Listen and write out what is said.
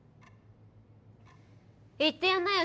言ってやんなよ